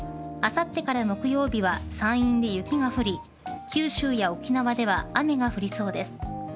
あさってから木曜日は山陰で雪が降り九州や沖縄では雨が降りそうです。